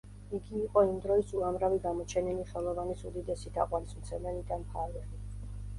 იგი იყო იმ დროის უამრავი გამოჩენილი ხელოვანის უდიდესი თაყვანისმცემელი და მფარველი.